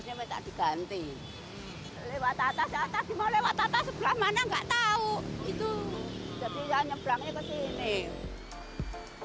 jadi menyeberang ke sini